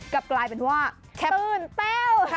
กลับกลายเป็นว่าแค่ตื่นแต้ว